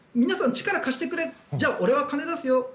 皆さん、力を貸してくれじゃあ、俺は金出すよ